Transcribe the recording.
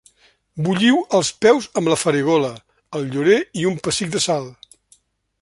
Bulliu els peus amb la farigola, el llorer i un pessic de sal.